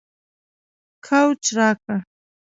کوچ راکړه